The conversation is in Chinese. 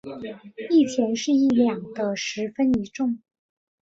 一钱是一两的十分一重。